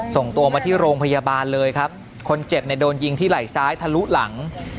ส่งตัวมาที่โรงพยาบาลเลยครับคนเจ็บเนี่ยโดนยิงที่ไหล่ซ้ายทะลุหลัง